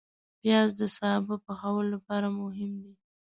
پیاز د سابه پخولو لپاره مهم دی